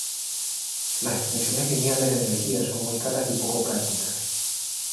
Las extensiones lineales de energía son muy caras y poco prácticas.